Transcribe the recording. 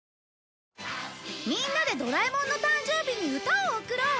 みんなでドラえもんの誕生日に歌を贈ろう！